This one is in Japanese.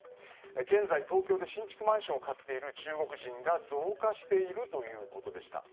現在、東京で新築マンションを買っている中国人が増加しているということでした。